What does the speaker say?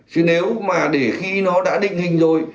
chứ nếu mà để khi nó đã định hình rồi